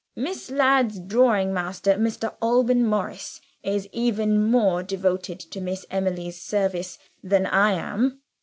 Miss Ladd's drawing master, Mr. Alban Morris, is even more devoted to Miss Emily's service than I am.